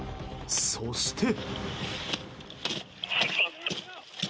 そして。